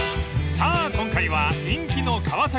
［さあ今回は人気の川崎］